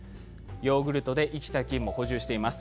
ヨーグルトで生きた菌も補充しています。